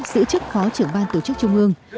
giữ chức khó trưởng ban tổ chức trung ương